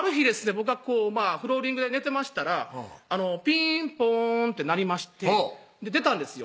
僕がフローリングで寝てましたらピンポーンって鳴りまして出たんですよ